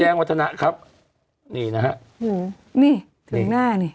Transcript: ฮังนะคะฮัง